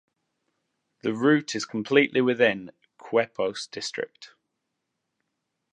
The route is completely within Quepos district.